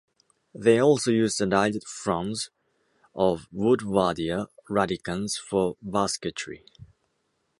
They also use the dyed fronds of Woodwardia radicans for basketry.